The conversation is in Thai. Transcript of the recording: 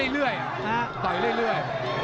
เรื่อยต่อยเรื่อย